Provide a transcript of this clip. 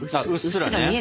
うっすらね。